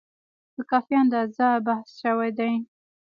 په کافي اندازه بحث شوی دی.